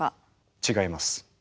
違います。